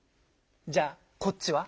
じゃあこっちは？